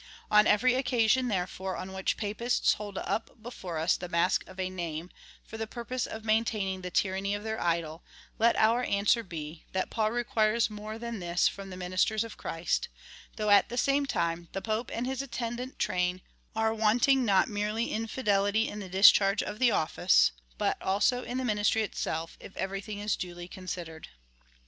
On every occasion, therefore, on which Papists hold up before us the mask of a name, for the pur pose of maintaining the tyranny of their idol, let our answer be, that Paul requires more than this from the ministers of Christ, though, at the same time, the Pope and his attend ant train are wanting not merely in fidelity in the discharge of the office, but also in the ministry itself, if everything is duly considered.